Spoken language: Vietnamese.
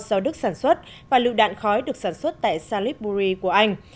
do đức sản xuất và lựu đạn khói được sản xuất tại salisbury của anh